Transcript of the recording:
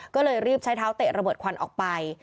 ก็เลยรีบใช้เท้าเตะระเบิดควันออกไป